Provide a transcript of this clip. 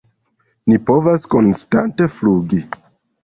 "Ni povas konstante flugi!"